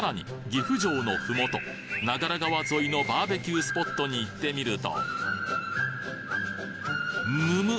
岐阜城の麓長良川沿いのバーベキュースポットに行ってみるとむむ！